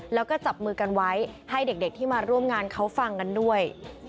แล้วก็จับมือกันไว้ให้เด็กที่มาร่วมงานเขาฟังกันด้วย